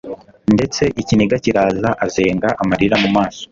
ndetse ikiniga kiraza azenga amarira mumaso